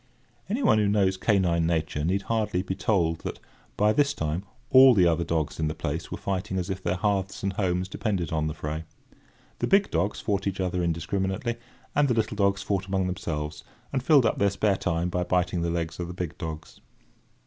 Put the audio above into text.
Anyone who knows canine nature need hardly, be told that, by this time, all the other dogs in the place were fighting as if their hearths and homes depended on the fray. The big dogs fought each other indiscriminately; and the little dogs fought among themselves, and filled up their spare time by biting the legs of the big dogs.